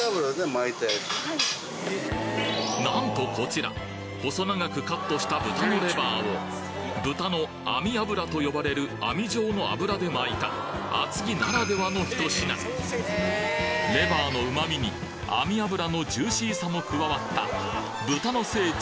なんとこちら細長くカットした豚のレバーを豚の網脂と呼ばれる網状の脂で巻いた厚木ならではのひと品レバーの旨みに網脂のジューシーさも加わった豚の聖地